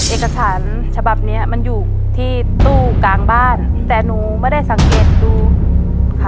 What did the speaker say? เอกสารฉบับเนี้ยมันอยู่ที่ตู้กลางบ้านแต่หนูไม่ได้สังเกตดูค่ะ